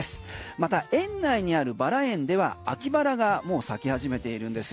また園内にあるばら園ではアキバラがもう咲き始めているんです。